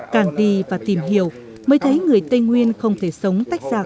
càng đi và tìm hiểu mới thấy người tây nguyên không thể sống tách xa con đất